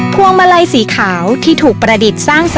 พวงมาลัยสีขาวที่ถูกประดิษฐ์สร้างสรรค